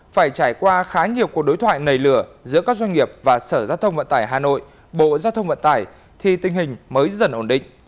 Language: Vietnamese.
phải trải qua khá nhiều cuộc đối thoại nảy lửa giữa các doanh nghiệp và sở giao thông vận tải hà nội bộ giao thông vận tải thì tình hình mới dần ổn định